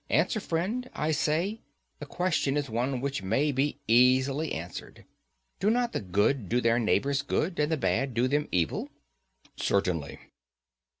Answer, friend, I say; the question is one which may be easily answered. Do not the good do their neighbours good, and the bad do them evil? Certainly.